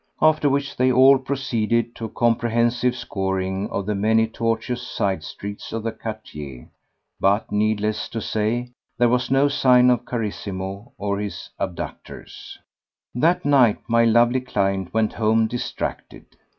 After which they all proceeded to a comprehensive scouring of the many tortuous sidestreets of the quartier; but, needless to say, there was no sign of Carissimo or of his abductors. That night my lovely client went home distracted.